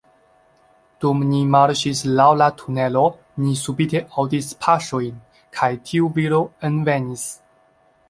Dum ni marŝis laŭ la tunelo, ni subite aŭdis paŝojn, kaj tiu viro envenis.